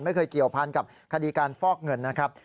ไม่เคยเกี่ยวพันกับคดีการฟอกเงินนะครับ